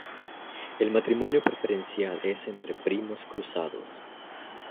El matrimonio preferencial es entre primos cruzados.